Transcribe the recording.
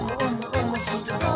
おもしろそう！」